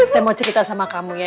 saya mau cerita sama kamu ya